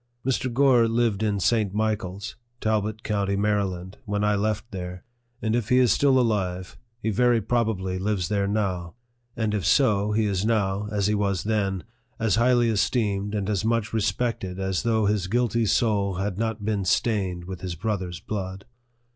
Mr. Gore lived in St. Michael's, Talbot county, Maryland, when I left there ; and if he is still alive, he very probably lives there now ; and if so, he is now, as he was then, as highly esteemed and as much re spected as though his guilty soul had not been stained with his brother's blood.